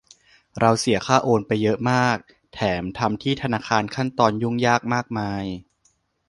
เราเสียค่าโอนไปเยอะมาก แถมทำที่ธนาคารขั้นตอนยุ่งยากมากมาย